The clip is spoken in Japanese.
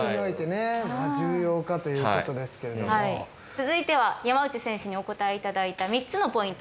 続いては山内選手にお答えいただいた３つのポイント。